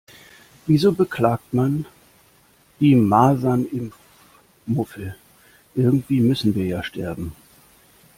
Wieso beklagt man die Masernimpfmuffel, irgendwie müssen wir ja sterben.